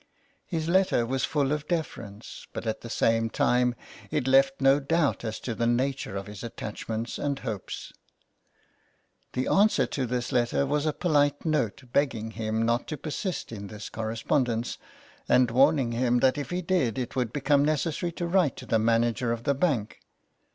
His letter was full of deference, but at the same time it left no doubt as to the nature of his attachments and hopes. The answer to this letter was a polite note begging him not to persist in this correspondence, and warning him that if he did it would become necessary to write to the manager of the bank.